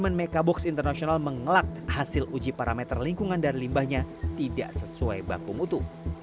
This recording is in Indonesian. momen mekabox internasional mengelak hasil uji parameter lingkungan dan limbahnya tidak sesuai baku mutu